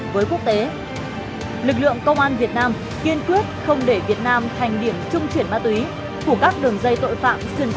với quốc tế lực lượng công an việt nam kiên quyết không để việt nam thành điểm trung chuyển ma túy